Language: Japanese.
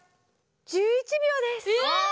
１１秒です。